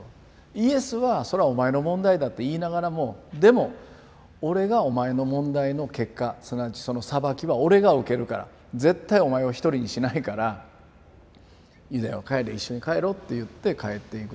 イエスはそれはお前の問題だって言いながらもでも俺がお前の問題の結果すなわちその裁きは俺が受けるから絶対お前を一人にしないからユダよ一緒に帰ろうって言って帰っていく。